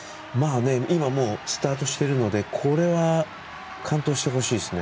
今もうスタートしてるのでこれは完登してほしいですね。